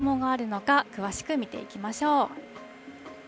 では現在、どの辺りに雨雲があるのか、詳しく見ていきましょう。